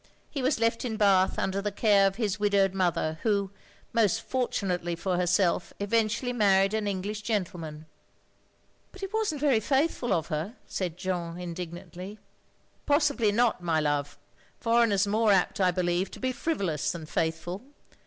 He was left in Bath under the care of his widowed mother, who, most fortunately for herself, eventually married an English gentleman." "But it wasn't very faithful of her," said Jeanne indignantly. "Possibly not, my love. Foreigners are more apt, I believe, to be frivolous than faithful.